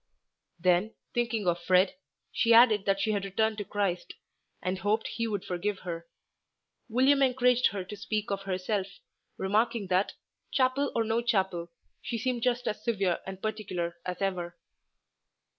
Then, thinking of Fred, she added that she had returned to Christ, and hoped He would forgive her. William encouraged her to speak of herself, remarking that, chapel or no chapel, she seemed just as severe and particular as ever.